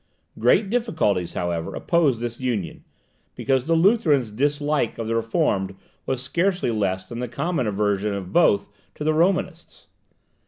Great difficulties, however, opposed this union, because the Lutherans' dislike of the Reformed was scarcely less than the common aversion of both to the Romanists.